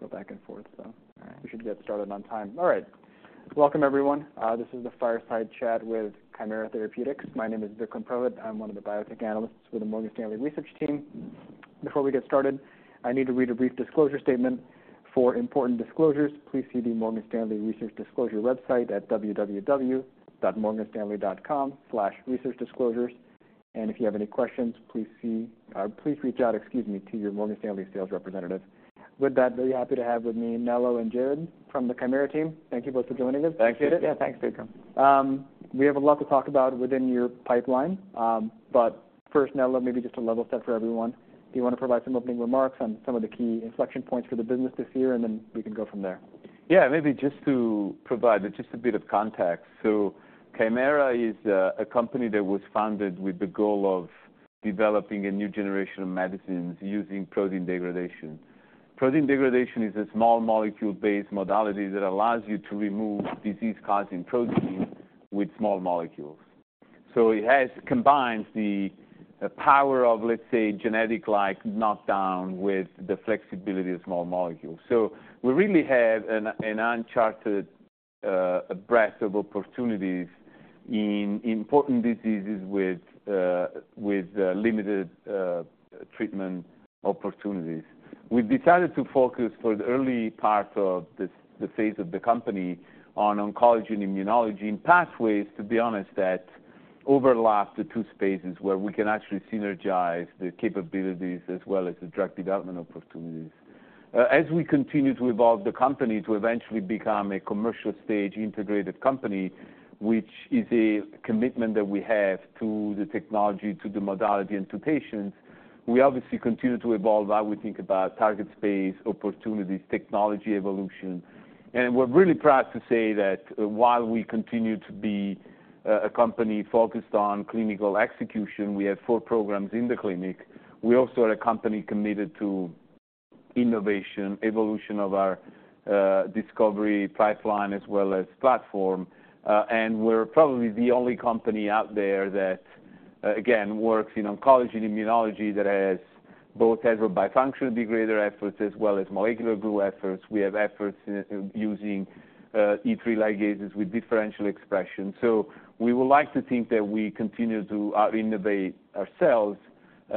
Go back and forth, so all right, we should get started on time. All right. Welcome, everyone. This is the Fireside Chat with Kymera Therapeutics. My name is Vikram Purohit. I'm one of the biotech analysts with the Morgan Stanley research team. Before we get started, I need to read a brief disclosure statement. For important disclosures, please see the Morgan Stanley Research Disclosure website at www.morganstanley.com/researchdisclosures. And if you have any questions, please see, please reach out, excuse me, to your Morgan Stanley sales representative. With that, very happy to have with me, Nello and Jared from the Kymera team. Thank you both for joining us. Thanks, Jared. Yeah, thanks, Vikram. We have a lot to talk about within your pipeline. But first, Nello, maybe just to level set for everyone, do you want to provide some opening remarks on some of the key inflection points for the business this year? And then we can go from there. Yeah, maybe just to provide just a bit of context. So Kymera is a company that was founded with the goal of developing a new generation of medicines using protein degradation. Protein degradation is a small molecule-based modality that allows you to remove disease-causing proteins with small molecules. So it has combined the power of, let's say, genetic-like knockdown with the flexibility of small molecules. So we really have an uncharted breadth of opportunities in important diseases with limited treatment opportunities. We've decided to focus for the early part of this phase of the company on oncology and immunology in pathways, to be honest, that overlap the two spaces where we can actually synergize the capabilities as well as the drug development opportunities. As we continue to evolve the company to eventually become a commercial stage integrated company, which is a commitment that we have to the technology, to the modality, and to patients, we obviously continue to evolve how we think about target space, opportunities, technology, evolution. We're really proud to say that while we continue to be a company focused on clinical execution, we have four programs in the clinic. We also are a company committed to innovation, evolution of our discovery pipeline as well as platform. We're probably the only company out there that, again, works in oncology and immunology, that has both heterobifunctional degrader efforts as well as molecular glue efforts. We have efforts using E3 ligases with differential expression. So we would like to think that we continue to innovate ourselves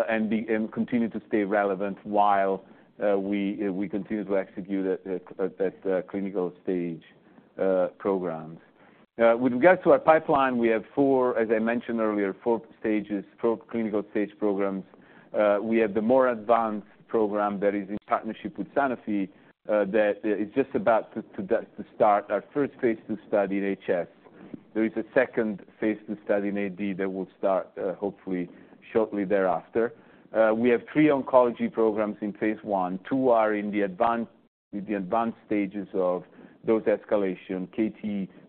and continue to stay relevant while we continue to execute at clinical stage programs. With regards to our pipeline, we have four, as I mentioned earlier, four clinical stage programs. We have the more advanced program that is in partnership with Sanofi that is just about to start our first phase II study in HS. There is a second phase II study in AD that will start hopefully shortly thereafter. We have three oncology programs in phase I. Two are in the advanced stages of those escalations,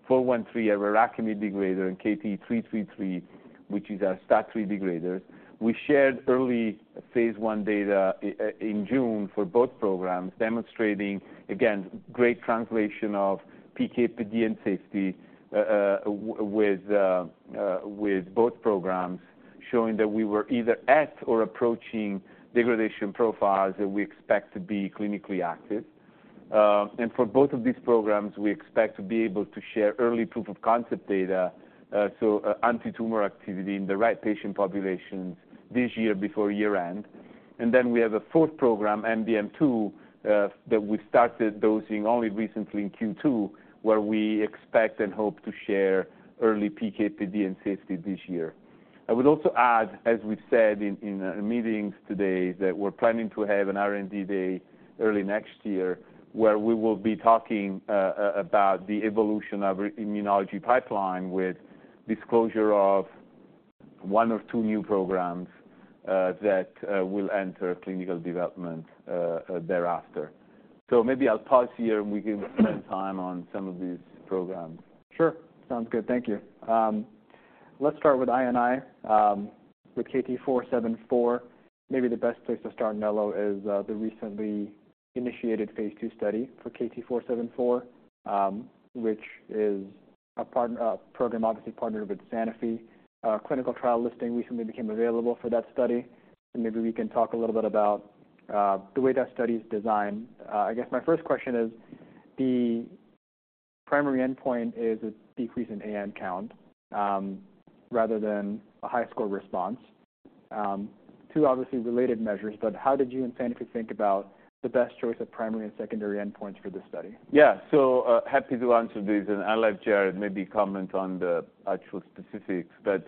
KT-413, an IRAKIMiD degrader, and KT-333, which is a STAT3 degrader. We shared early phase I data in June for both programs, demonstrating, again, great translation of PK, PD, and safety with both programs, showing that we were either at or approaching degradation profiles that we expect to be clinically active. And for both of these programs, we expect to be able to share early proof of concept data, so antitumor activity in the right patient populations this year before year-end. And then we have a fourth program, MDM2, that we started dosing only recently in Q2, where we expect and hope to share early PK, PD, and safety this year. I would also add, as we've said in meetings today, that we're planning to have an R&D Day early next year, where we will be talking about the evolution of our immunology pipeline with disclosure of one or two new programs that will enter clinical development thereafter. So maybe I'll pause here, and we can spend time on some of these programs. Sure. Sounds good. Thank you. Let's start with I&I with KT-474. Maybe the best place to start, Nello, is the recently initiated phase II study for KT-474, which is a partnered program, obviously partnered with Sanofi. Clinical trial listing recently became available for that study, and maybe we can talk a little bit about the way that study is designed. I guess my first question is, the primary endpoint is a decrease in AN count rather than a HiSCR response. Two obviously related measures, but how did you and Sanofi think about the best choice of primary and secondary endpoints for this study? Yeah. So, happy to answer this, and I'll let Jared maybe comment on the actual specifics. But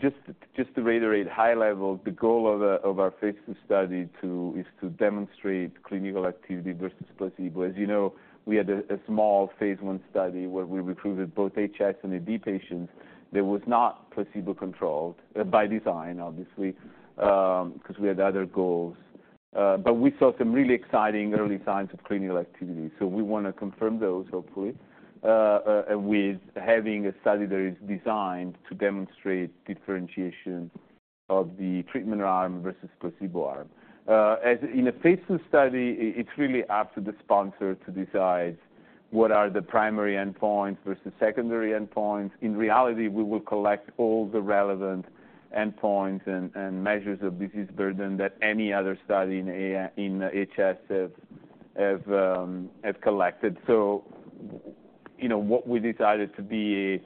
just to reiterate, high level, the goal of our phase II study is to demonstrate clinical activity versus placebo. As you know, we had a small phase I study where we recruited both HS and AD patients. That was not placebo-controlled by design, obviously, because we had other goals, but we saw some really exciting early signs of clinical activity. So we want to confirm those hopefully, with having a study that is designed to demonstrate differentiation of the treatment arm versus placebo arm. As in a phase II study, it's really up to the sponsor to decide what are the primary endpoints versus secondary endpoints? In reality, we will collect all the relevant endpoints and measures of disease burden that any other study in HS have collected. So, you know, what we decided to be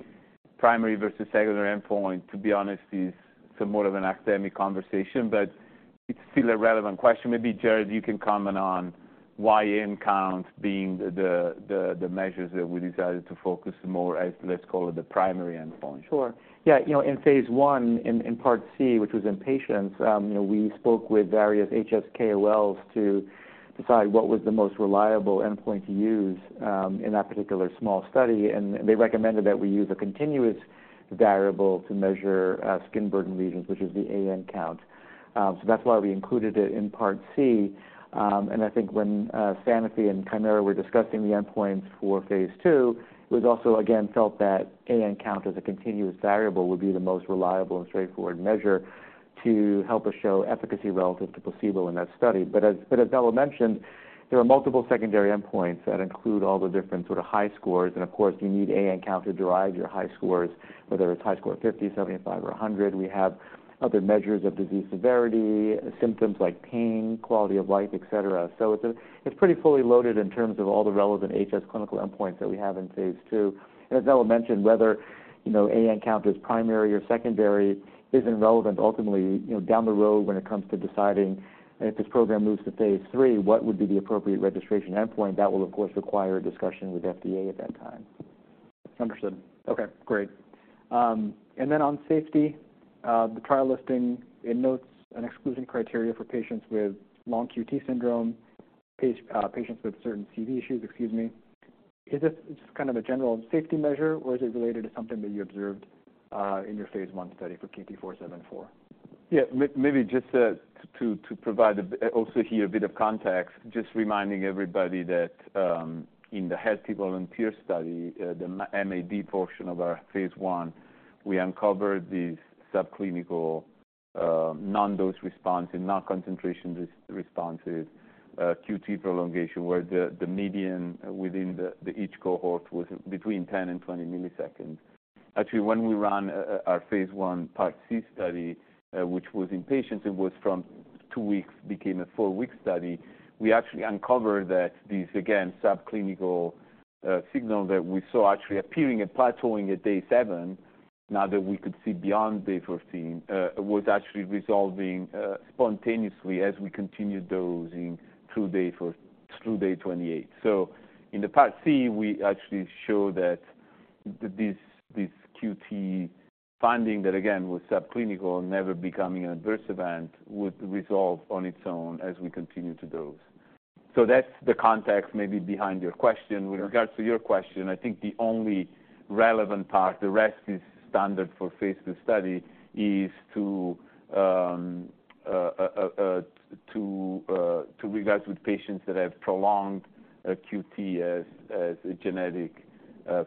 primary versus secondary endpoint, to be honest, is some more of an academic conversation, but it's still a relevant question. Maybe, Jared, you can comment on why AN count being the measures that we decided to focus more as, let's call it, the primary endpoint. Sure, yeah, you know, in phase one, in part C, which was in patients, you know, we spoke with various HS KOLs to decide what was the most reliable endpoint to use in that particular small study. And they recommended that we use a continuous variable to measure skin burden regions, which is the AN count. So that's why we included it in part C. And I think when Sanofi and Kymera were discussing the endpoints for phase two, it was also again felt that AN count as a continuous variable would be the most reliable and straightforward measure to help us show efficacy relative to placebo in that study. But as Nello mentioned, there are multiple secondary endpoints that include all the different sort of HiSCRs. Of course, you need AN count to derive your HiSCRs, whether it's HiSCR 50, 75, or 100. We have other measures of disease severity, symptoms like pain, quality of life, et cetera. So it's, it's pretty fully loaded in terms of all the relevant HS clinical endpoints that we have in phase II. As Nello mentioned, whether, you know, AN count is primary or secondary isn't relevant. Ultimately, you know, down the road when it comes to deciding if this program moves to phase III, what would be the appropriate registration endpoint? That will, of course, require a discussion with FDA at that time. Understood. Okay, great. And then on safety, the trial listing notes an exclusion criteria for patients with Long QT syndrome, patients with certain CV issues, excuse me. Is this just kind of a general safety measure, or is it related to something that you observed in your phase one study for KT-474? Yeah. Maybe just to provide also here a bit of context, just reminding everybody that in the healthy volunteer study, the MAD portion of our phase I, we uncovered these subclinical non-dose response and not concentration responses QT prolongation, where the median within each cohort was between 10 and 20 milliseconds. Actually, when we ran our phase I part C study, which was in patients, it was from two weeks, became a four week study. We actually uncovered that these, again, subclinical signal that we saw actually appearing and plateauing at day seven, now that we could see beyond day 14, was actually resolving spontaneously as we continued dosing through day four through day 28. So in the part C, we actually show that this QT finding that again, was subclinical, never becoming an adverse event, would resolve on its own as we continue to dose. So that's the context maybe behind your question. Okay. With regards to your question, I think the only relevant part, the rest is standard for phase II study, is with regards to patients that have prolonged QT as a genetic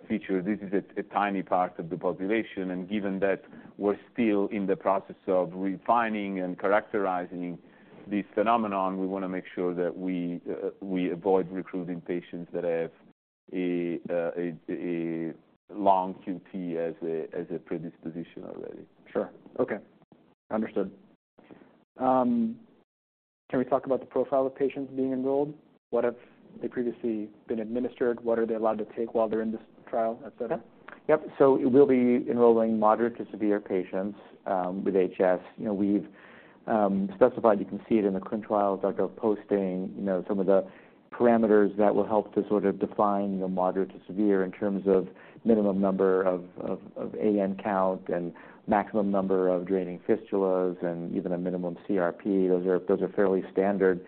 feature. This is a tiny part of the population, and given that we're still in the process of refining and characterizing this phenomenon, we wanna make sure that we avoid recruiting patients that have a long QT as a predisposition already. Sure. Okay, understood. Can we talk about the profile of patients being enrolled? What have they previously been administered? What are they allowed to take while they're in this trial, et cetera? Yep. So we'll be enrolling moderate to severe patients with HS. You know, we've specified, you know, some of the parameters that will help to sort of define the moderate to severe in terms of minimum number of AN count and maximum number of draining fistulas and even a minimum CRP. Those are fairly standard.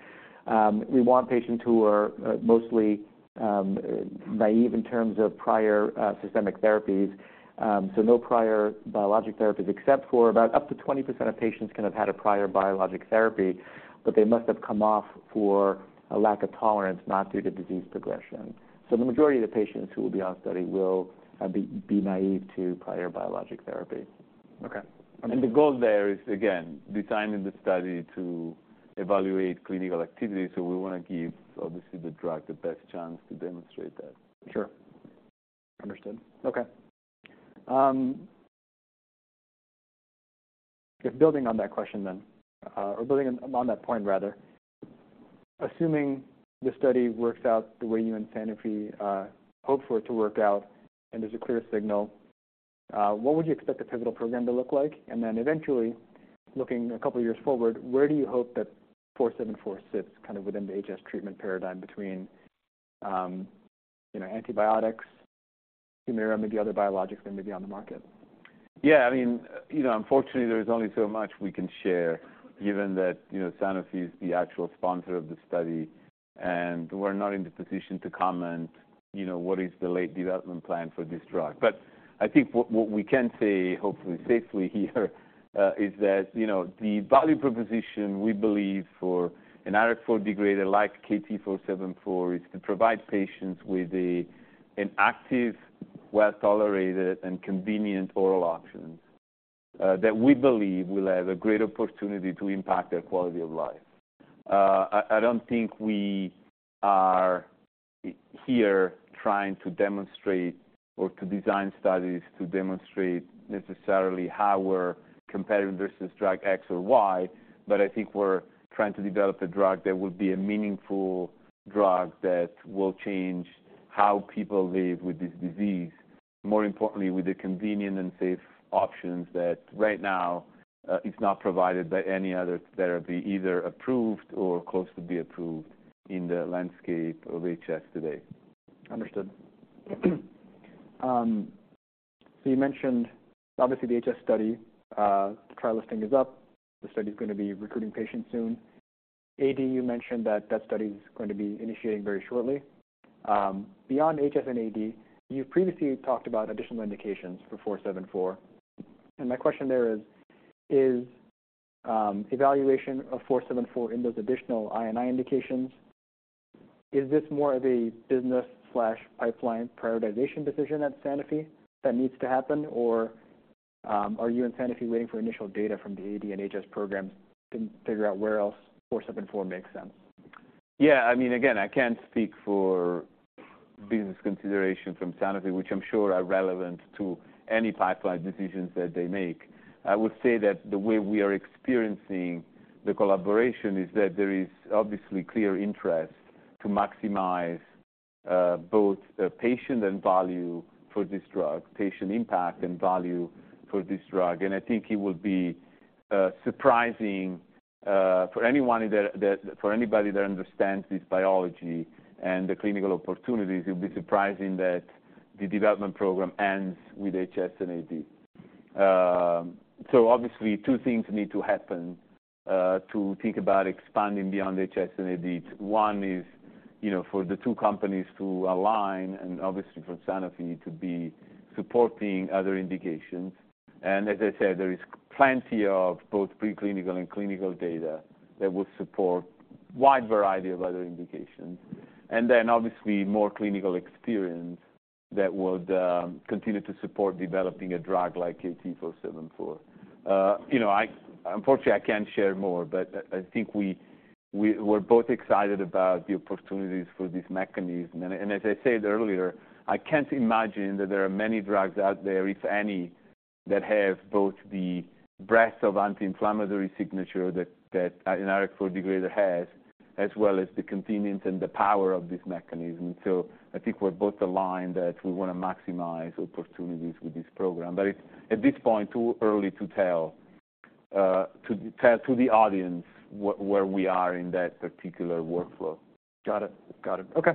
We want patients who are mostly naive in terms of prior systemic therapies. So no prior biologic therapies, except for about up to 20% of patients can have had a prior biologic therapy, but they must have come off for a lack of tolerance, not due to disease progression. So the majority of the patients who will be on study will be naive to prior biologic therapy. Okay. The goal there is, again, designing the study to evaluate clinical activity. We wanna give, obviously, the drug the best chance to demonstrate that. Sure. Understood. Okay, just building on that question then, or building on that point, rather. Assuming the study works out the way you and Sanofi hope for it to work out, and there's a clear signal, what would you expect the pivotal program to look like? And then eventually, looking a couple of years forward, where do you hope that 474 sits kind of within the HS treatment paradigm between, you know, antibiotics, Humira, maybe other biologics that may be on the market? Yeah, I mean, you know, unfortunately, there's only so much we can share given that, you know, Sanofi is the actual sponsor of the study, and we're not in the position to comment, you know, what is the late development plan for this drug. But I think what, what we can say, hopefully, safely here, is that, you know, the value proposition, we believe, for an IRAK4 degrader like KT-474, is to provide patients with a- an active, well-tolerated, and convenient oral option that we believe will have a great opportunity to impact their quality of life. I don't think we are here trying to demonstrate or to design studies to demonstrate necessarily how we're competitive versus drug X or Y, but I think we're trying to develop a drug that would be a meaningful drug that will change how people live with this disease. More importantly, with a convenient and safe options that right now, is not provided by any other therapy, either approved or close to be approved in the landscape of HS today. Understood. So you mentioned obviously the HS study, the trial listing is up. The study is gonna be recruiting patients soon. AD, you mentioned that that study is going to be initiating very shortly. Beyond HS and AD, you've previously talked about additional indications for 474, and my question there is, is evaluation of 474 in those additional I&I indications, is this more of a business/pipeline prioritization decision at Sanofi that needs to happen? Or, are you and Sanofi waiting for initial data from the AD and HS programs to figure out where else 474 makes sense? Yeah, I mean, again, I can't speak for business consideration from Sanofi, which I'm sure are relevant to any pipeline decisions that they make. I would say that the way we are experiencing the collaboration is that there is obviously clear interest to maximize both the patient and value for this drug, patient impact and value for this drug. And I think it would be surprising for anyone that for anybody that understands this biology and the clinical opportunities, it would be surprising that the development program ends with HS and AD. So obviously, two things need to happen to think about expanding beyond HS and AD. One is, you know, for the two companies to align and obviously for Sanofi to be supporting other indications. And as I said, there is plenty of both preclinical and clinical data that would support wide variety of other indications, and then obviously, more clinical experience that would continue to support developing a drug like KT-474. You know, I unfortunately can't share more, but I think we, we're both excited about the opportunities for this mechanism. And as I said earlier, I can't imagine that there are many drugs out there, if any, that have both the breadth of anti-inflammatory signature that an IRAK4 degrader has, as well as the convenience and the power of this mechanism. So I think we're both aligned that we want to maximize opportunities with this program, but it's at this point too early to tell to the audience where we are in that particular workflow. Got it. Got it. Okay.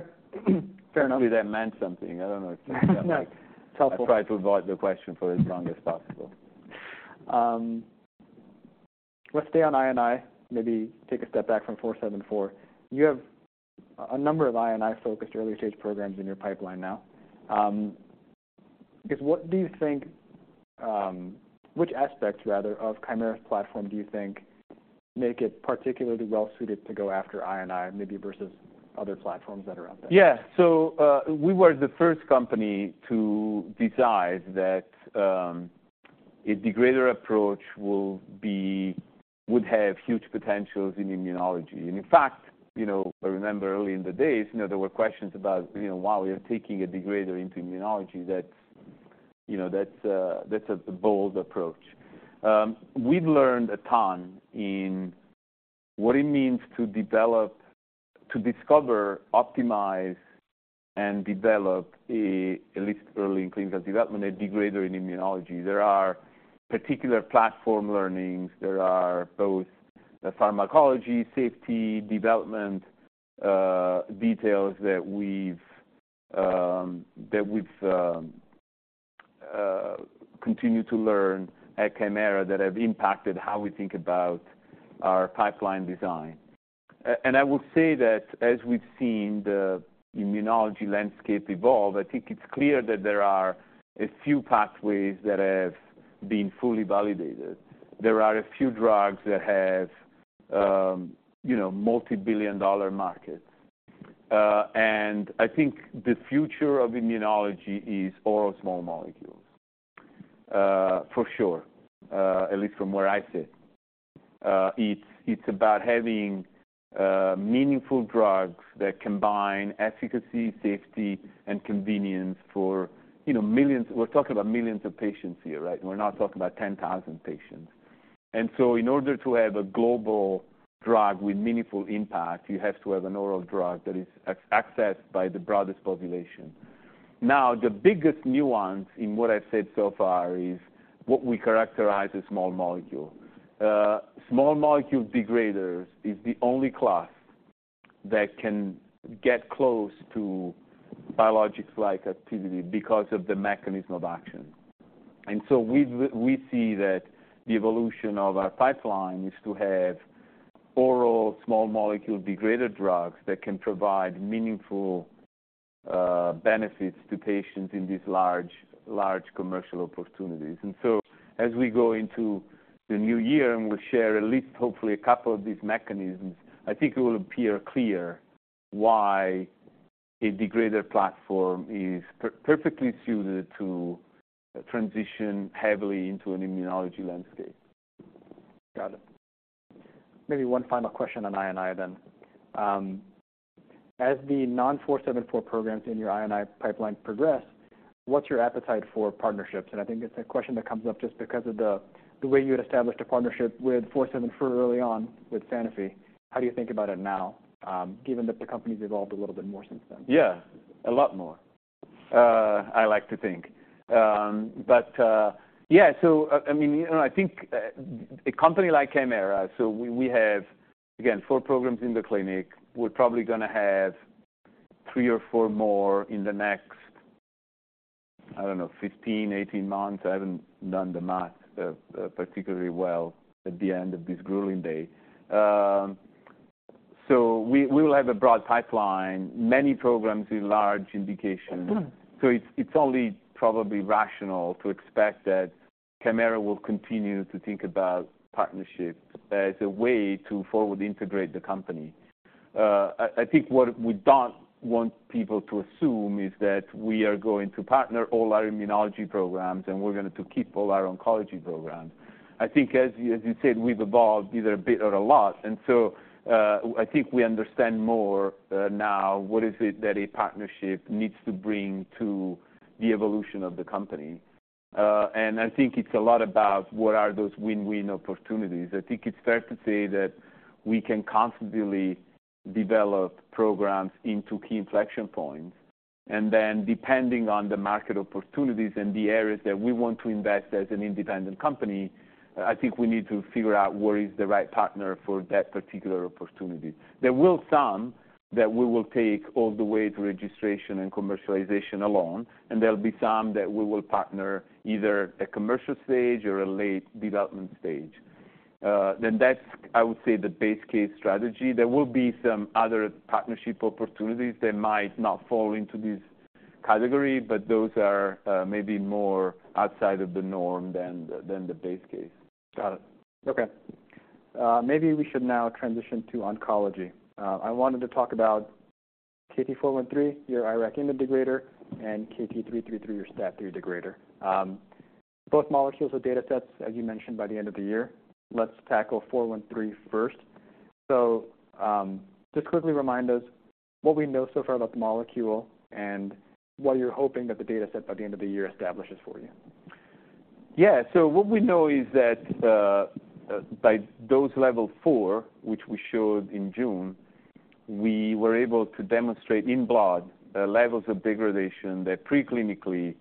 Fair enough. Hopefully, that meant something. I don't know if - No, it's helpful. I tried to avoid the question for as long as possible. Let's stay on I&I, maybe take a step back from 474. You have a number of I&I-focused earlier stage programs in your pipeline now. I guess, what do you think, which aspects, rather, of Kymera's platform do you think make it particularly well suited to go after I&I, maybe versus other platforms that are out there? Yeah. So, we were the first company to decide that a degrader approach would have huge potential in immunology. And in fact, you know, I remember early in the days, you know, there were questions about, you know, why we are taking a degrader into immunology. That's, you know, that's a bold approach. We've learned a ton in what it means to develop, to discover, optimize, and develop a, at least early in clinical development, a degrader in immunology. There are particular platform learnings. There are both the pharmacology, safety, development details that we've continued to learn at Kymera that have impacted how we think about our pipeline design. And I will say that as we've seen the immunology landscape evolve, I think it's clear that there are a few pathways that have been fully validated. There are a few drugs that have, you know, multi-billion dollar markets. I think the future of immunology is all small molecules, for sure, at least from where I sit. It's about having meaningful drugs that combine efficacy, safety, and convenience for, you know, millions. We're talking about millions of patients here, right? We're not talking about 10,000 patients. And so in order to have a global drug with meaningful impact, you have to have an oral drug that is accessed by the broadest population. Now, the biggest nuance in what I've said so far is what we characterize as small molecule. Small molecule degraders is the only class that can get close to biologics-like activity because of the mechanism of action. And so we've, we see that the evolution of our pipeline is to have oral small molecule degrader drugs that can provide meaningful benefits to patients in these large, large commercial opportunities. And so as we go into the new year, and we'll share at least hopefully a couple of these mechanisms, I think it will appear clear why a degrader platform is perfectly suited to transition heavily into an immunology landscape. Got it. Maybe one final question on I&I then. As the non-474 programs in your I&I pipeline progress, what's your appetite for partnerships? And I think it's a question that comes up just because of the way you had established a partnership with 474 early on with Sanofi. How do you think about it now, given that the company's evolved a little bit more since then? Yeah, a lot more, I like to think. But, yeah, so, I, I mean, you know, I think, a company like Kymera, so we, we have, again, four programs in the clinic. We're probably gonna have three or four more in the next, I don't know, 15, 18 months. I haven't done the math, particularly well at the end of this grueling day. So we, we will have a broad pipeline, many programs in large indications. So it's, it's only probably rational to expect that Kymera will continue to think about partnerships as a way to forward integrate the company. I, I think what we don't want people to assume is that we are going to partner all our immunology programs, and we're going to keep all our oncology programs. I think, as you, as you said, we've evolved either a bit or a lot, and so, I think we understand more, now, what is it that a partnership needs to bring to the evolution of the company. And I think it's a lot about what are those win-win opportunities. I think it's fair to say that we can constantly develop programs into key inflection points, and then, depending on the market opportunities and the areas that we want to invest as an independent company, I think we need to figure out where is the right partner for that particular opportunity. There will some that we will take all the way to registration and commercialization alone, and there'll be some that we will partner either at commercial stage or a late development stage. Then that's, I would say, the base case strategy. There will be some other partnership opportunities that might not fall into this category, but those are maybe more outside of the norm than the base case. Got it. Okay. Maybe we should now transition to oncology. I wanted to talk about KT-413, your IRAK inhibitor degrader, and KT-333, your STAT3 degrader. Both molecules or data sets, as you mentioned, by the end of the year. Let's tackle 413 first. So, just quickly remind us what we know so far about the molecule and what you're hoping that the data set by the end of the year establishes for you. Yeah. So what we know is that by dose level 4, which we showed in June, we were able to demonstrate in blood the levels of degradation that preclinically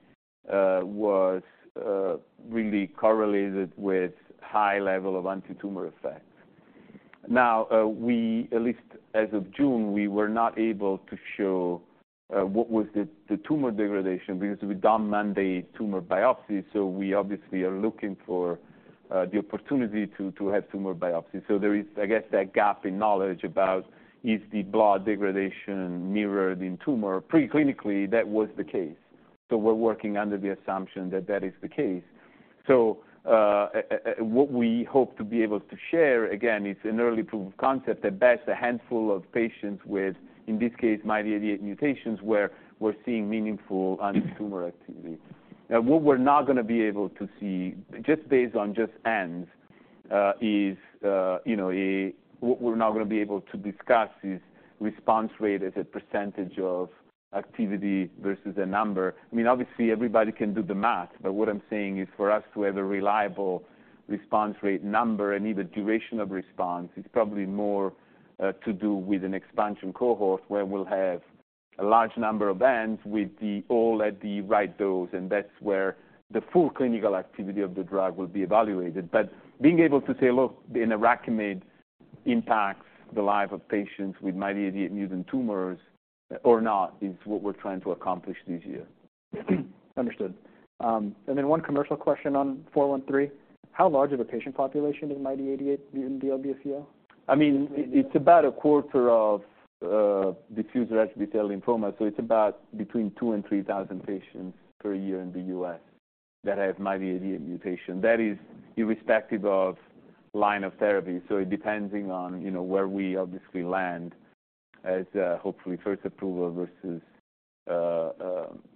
was really correlated with high level of antitumor effects. Now, at least as of June, we were not able to show what was the tumor degradation because we've not done mandatory tumor biopsies, so we obviously are looking for the opportunity to have tumor biopsies. So there is, I guess, that gap in knowledge about is the blood degradation mirrored in tumor. Preclinically, that was the case, so we're working under the assumption that that is the case. So, what we hope to be able to share, again, it's an early proof of concept, at best, a handful of patients with, in this case, MYD88 mutations, where we're seeing meaningful antitumor activity. Now, what we're not gonna be able to see, just based on N's, is, you know, what we're not gonna be able to discuss is response rate as a percentage of activity versus a number. I mean, obviously, everybody can do the math, but what I'm saying is, for us to have a reliable response rate number and even duration of response, it's probably more to do with an expansion cohort, where we'll have a large number of N's with them all at the right dose, and that's where the full clinical activity of the drug will be evaluated. But being able to say, look, the IRAKIMiD impacts the life of patients with MYD88 mutant tumors or not, is what we're trying to accomplish this year. Understood. And then one commercial question on 413: How large of a patient population is MYD88 in DLBCL? I mean, it's about a quarter of diffuse large B-cell lymphoma, so it's about between 2,000 and 3,000 patients per year in the U.S. that have MYD88 mutation. That is irrespective of line of therapy, so it depending on, you know, where we obviously land as, hopefully, first approval versus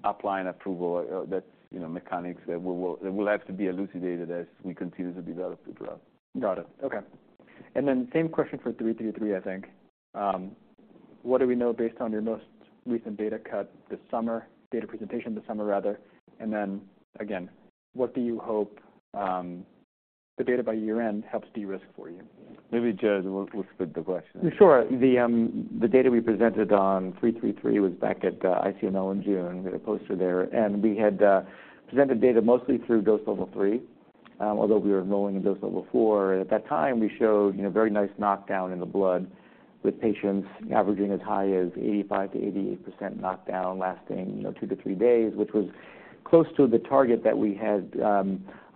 upline approval. That's, you know, mechanics that will- we'll have to be elucidated as we continue to develop the drug. Got it. Okay. And then same question for 333, I think. What do we know based on your most recent data cut this summer, data presentation this summer, rather? And then, again, what do you hope, the data by year-end helps de-risk for you? Maybe, Jared, what's the question? Sure. The data we presented on KT-333 was back at ICML in June. We had a poster there, and we had presented data mostly through dose level three, although we were enrolling in dose level four. At that time, we showed, you know, very nice knockdown in the blood with patients averaging as high as 85%-88% knockdown, lasting, you know, two to three days, which was close to the target that we had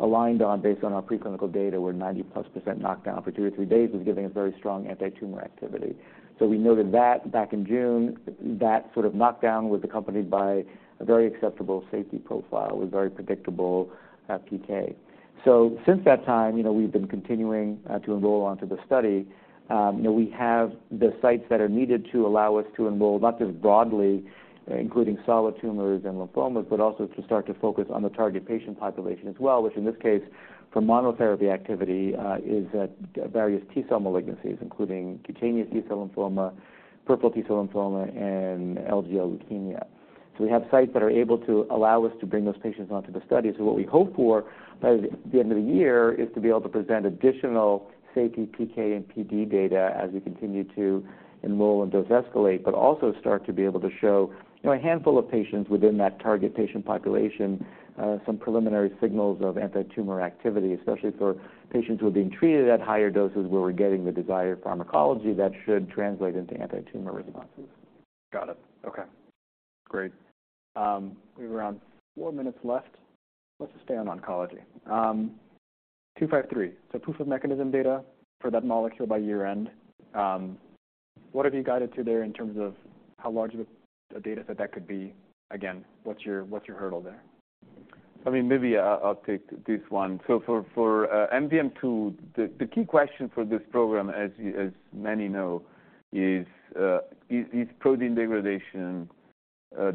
aligned on based on our preclinical data, where 90+% knockdown for two to three days was giving a very strong anti-tumor activity. So we noted that back in June, that sort of knockdown was accompanied by a very acceptable safety profile, with very predictable PK. So since that time, you know, we've been continuing to enroll onto the study. We have the sites that are needed to allow us to enroll not just broadly, including solid tumors and lymphomas, but also to start to focus on the target patient population as well, which in this case, for monotherapy activity, is at various T-cell malignancies, including Cutaneous T-Cell Lymphoma, Peripheral T-Cell Lymphoma, and LGL leukemia. So we have sites that are able to allow us to bring those patients onto the study. So what we hope for by the end of the year is to be able to present additional safety, PK, and PD data as we continue to enroll and dose escalate, but also start to be able to show, you know, a handful of patients within that target patient population, some preliminary signals of anti-tumor activity, especially for patients who are being treated at higher doses, where we're getting the desired pharmacology that should translate into anti-tumor responses. Got it. Okay, great. We have around four minutes left. Let's just stay on oncology. 253. So proof of mechanism data for that molecule by year-end. What have you guided to there in terms of how large of a data set that could be? Again, what's your, what's your hurdle there? I mean, maybe I'll take this one. So for MDM2, the key question for this program, as many know, is protein degradation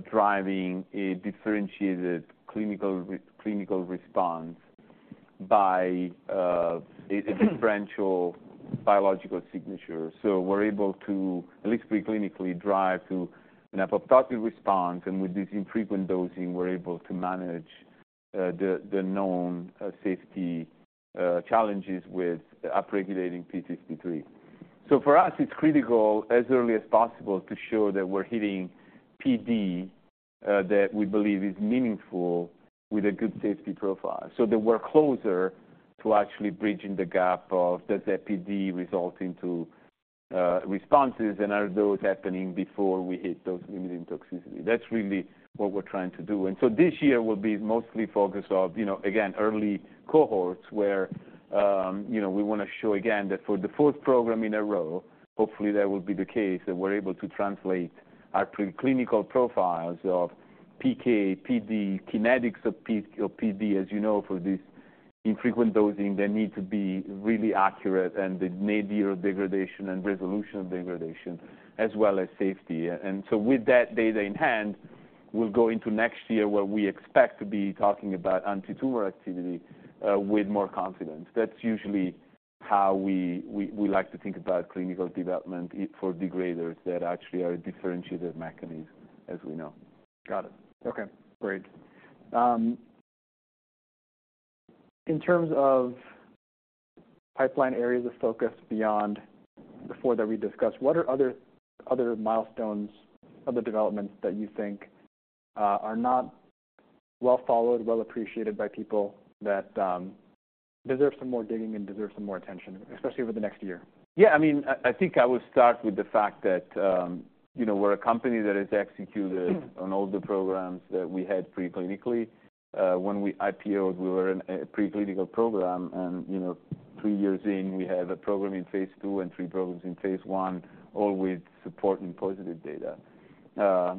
driving a differentiated clinical response by a differential biological signature? So we're able to, at least pre-clinically, drive to an apoptotic response, and with this infrequent dosing, we're able to manage the known safety challenges with upregulating p53. So for us, it's critical, as early as possible, to show that we're hitting PD that we believe is meaningful with a good safety profile. So that we're closer to actually bridging the gap of, does that PD result into responses, and are those happening before we hit those limiting toxicity? That's really what we're trying to do. This year will be mostly focused on, you know, again, early cohorts where, you know, we want to show again, that for the fourth program in a row, hopefully, that will be the case, that we're able to translate our preclinical profiles of PK, PD, kinetics of PD, as you know, for this infrequent dosing, they need to be really accurate, and the nadir of degradation and resolution of degradation, as well as safety. With that data in hand, we'll go into next year, where we expect to be talking about anti-tumor activity with more confidence. That's usually how we like to think about clinical development for degraders that actually are a differentiated mechanism, as we know. Got it. Okay, great. In terms of pipeline areas of focus beyond the four that we discussed, what are other, other milestones, other developments that you think are not well followed, well appreciated by people, that deserve some more digging and deserve some more attention, especially over the next year? Yeah, I mean, I think I would start with the fact that, you know, we're a company that has executed on all the programs that we had pre-clinically. When we IPO'd, we were in a pre-clinical program, and, you know, three years in, we have a program in phase II and 3 programs in phase I, all with supporting positive data.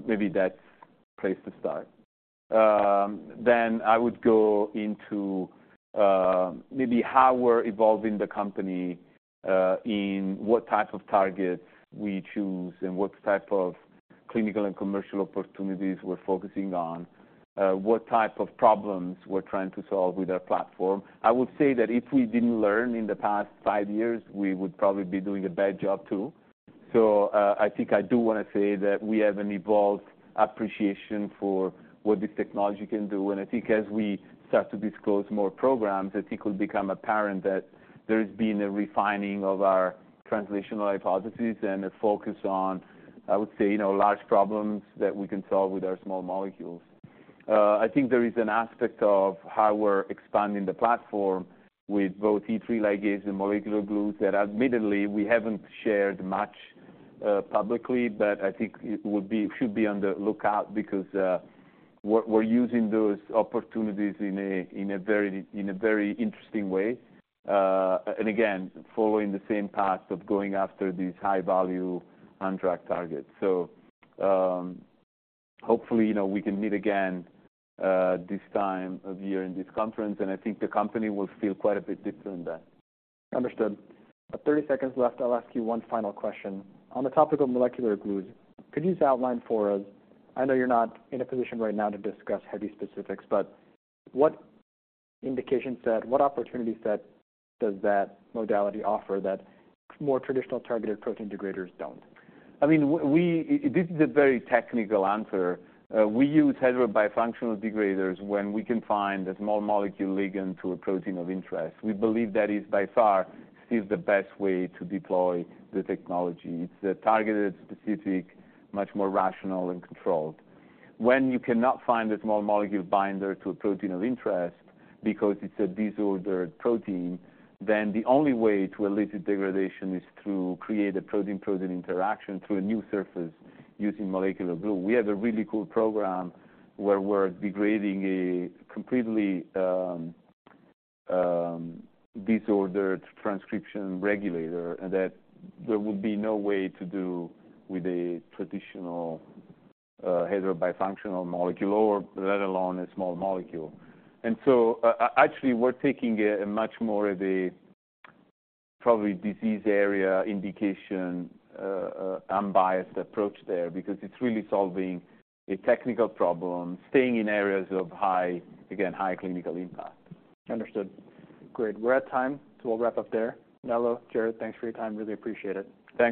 Maybe that's place to start. Then I would go into, maybe how we're evolving the company, in what type of targets we choose and what type of clinical and commercial opportunities we're focusing on. What type of problems we're trying to solve with our platform. I would say that if we didn't learn in the past 5 years, we would probably be doing a bad job, too. So, I think I do want to say that we have an evolved appreciation for what this technology can do. I think as we start to disclose more programs, I think it will become apparent that there has been a refining of our translational hypotheses and a focus on, I would say, you know, large problems that we can solve with our small molecules. I think there is an aspect of how we're expanding the platform with both E3 ligase and molecular glues, that admittedly, we haven't shared much publicly, but I think it would be... should be on the lookout, because, we're using those opportunities in a very interesting way. And again, following the same path of going after these high-value undruggable targets. Hopefully, you know, we can meet again, this time of year in this conference, and I think the company will feel quite a bit different then. Understood. 30 seconds left. I'll ask you one final question. On the topic of molecular glues, could you just outline for us. I know you're not in a position right now to discuss heavy specifics, but what indication set, what opportunity set does that modality offer that more traditional targeted protein degraders don't? I mean, we, this is a very technical answer. We use heterobifunctional degraders when we can find a small molecule ligand to a protein of interest. We believe that is by far, still the best way to deploy the technology. It's a targeted, specific, much more rational and controlled. When you cannot find a small molecule binder to a protein of interest because it's a disordered protein, then the only way to elicit degradation is to create a protein-protein interaction through a new surface using molecular glue. We have a really cool program where we're degrading a completely disordered transcription regulator, and that there would be no way to do with a traditional heterobifunctional molecule or let alone a small molecule. Actually, we're taking a much more of a probably disease area indication unbiased approach there, because it's really solving a technical problem, staying in areas of high, again, high clinical impact. Understood. Great. We're at time, so we'll wrap up there. Nello, Jared, thanks for your time. Really appreciate it.